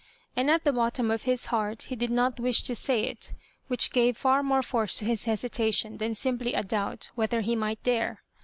And at the bottom of his heart he did not wish to say it, which gave far more force to his hesitation than simply a doubt whether he might dare.